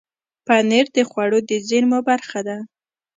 پنېر د خوړو د زېرمو برخه ده.